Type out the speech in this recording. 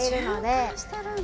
循環してるんだ。